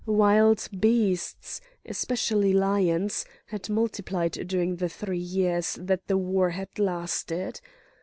Wild beasts, especially lions, had multiplied during the three years that the war had lasted.